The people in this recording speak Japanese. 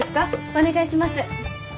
お願いします。